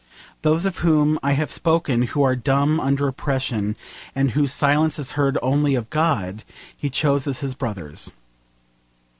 Those of whom I have spoken, who are dumb under oppression, and 'whose silence is heard only of God,' he chose as his brothers.